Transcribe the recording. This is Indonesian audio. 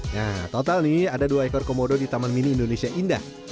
nah total nih ada dua ekor komodo di taman mini indonesia indah